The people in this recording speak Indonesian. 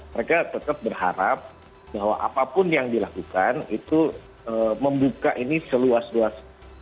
mereka tetap berharap bahwa apapun yang dilakukan itu membuka ini seluas luas